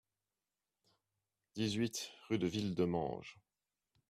dix-huit rue de Villedommange